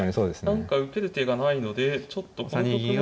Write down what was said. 何か受ける手がないのでちょっとこの局面は。